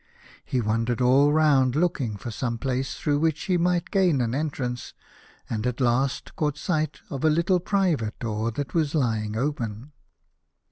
He wandered all round look ing for some place through which he might gain an entrance, and at last he caught sight of a little private door that was lying open.